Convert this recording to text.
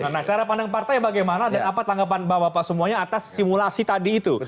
nah cara pandang partai bagaimana dan apa tanggapan bapak bapak semuanya atas simulasi tadi itu